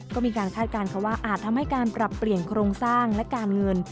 ก็มีการคาดการณ์เขาว่าอาจทำให้การปรับเปลี่ยนโครงสร้างและการเงิน